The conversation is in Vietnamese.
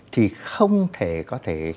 thì không thể có thể